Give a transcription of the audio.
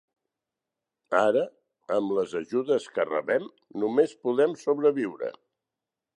Ara, amb les ajudes que rebem només podem sobreviure.